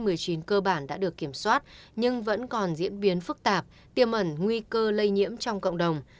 covid một mươi chín cơ bản đã được kiểm soát nhưng vẫn còn diễn biến phức tạp tiêm ẩn nguy cơ lây nhiễm trong cộng đồng